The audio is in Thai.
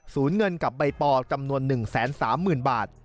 สูญเงินกับใบป่าวจำนวน๑๓๐๐๐๐บาท